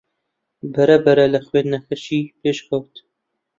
بەرەبەرە لە خوێندنەکەشی پێشکەوت